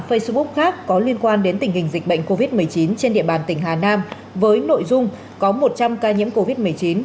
facebook khác có liên quan đến tình hình dịch bệnh covid một mươi chín trên địa bàn tỉnh hà nam với nội dung có một trăm linh ca nhiễm covid một mươi chín